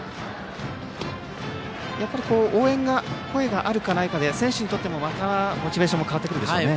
応援、声があるかないかで選手にとってもモチベーションも変わってくるでしょうね。